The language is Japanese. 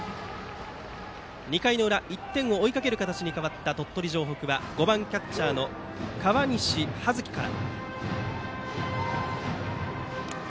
２回の裏、１点を追いかける形に変わった鳥取城北は５番キャッチャーの河西華槻から。